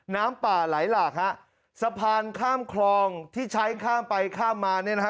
น้ำป่าไหลหลากฮะสะพานข้ามคลองที่ใช้ข้ามไปข้ามมาเนี่ยนะฮะ